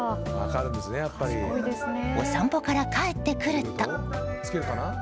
お散歩から帰ってくると。